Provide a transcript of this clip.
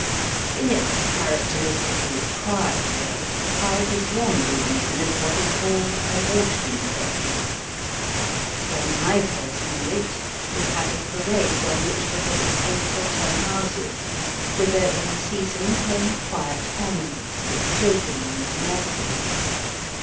In its characteristically quiet way Hythe has long been known as what is called a watering place. When I first knew it, it had a Parade, on which were built eight or ten houses, whither in the season came quiet families, with children and nurses.